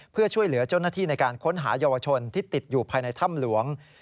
เพื่อช่วยเหลือเจ้าหน้าที่ในการค้นหาเยาวชนที่ติดอยู่ภายในถ้ำหลวง